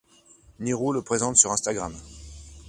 Niro le présente sur Instagram.